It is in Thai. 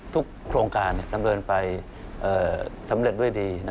โครงการดำเนินไปสำเร็จด้วยดี